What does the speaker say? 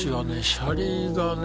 シャリがね